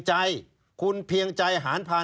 ชีวิตกระมวลวิสิทธิ์สุภาณฑ์